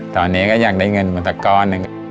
ตอนนี้ก็อยากได้เงินบริษัทกร